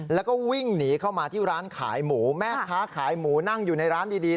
แล้วก็วิ่งหนีเข้ามาที่ร้านขายหมูแม่ค้าขายหมูนั่งอยู่ในร้านดี